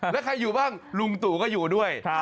แล้วใครอยู่บ้างลุงตู่ก็อยู่ด้วย